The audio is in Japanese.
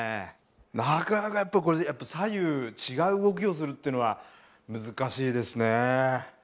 なかなかやっぱりこれ左右違う動きをするっていうのは難しいですね。